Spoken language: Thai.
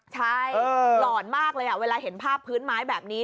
ใช่หล่อนมากเลยเวลาเห็นภาพพื้นไม้แบบนี้